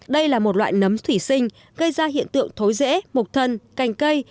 đây là một loại nấm thủy sinh gây ra hiện tượng thối rễ một thân cành cây